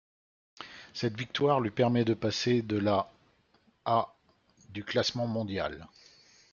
Cette victoire lui permet de passer de la à du classement mondial.